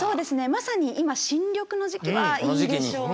まさに今新緑の時期はいいでしょうね。